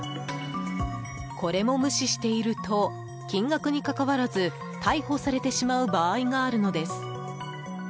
これも無視していると金額に関わらず逮捕されてしまう場合があるのです。